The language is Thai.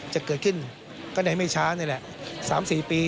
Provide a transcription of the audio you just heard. จะเกิดขึ้นก็ในไม่ช้านี่แหละ๓๔ปี